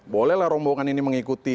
bolehlah rombongan ini mengikuti